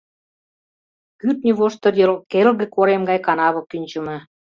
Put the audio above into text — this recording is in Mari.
Кӱртньӧ воштыр йыр келге корем гай канаве кӱнчымӧ.